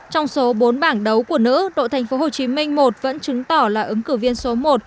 trong số bốn bảng đấu của nữ đội thành phố hồ chí minh một vẫn chứng tỏ là ứng cử viên số một